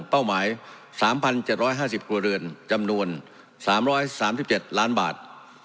เป้าหมาย๓๗๕๐ครัวเรือนจำนวน๓๓๗ล้านบาท